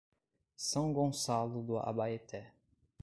São Gonçalo do Abaeté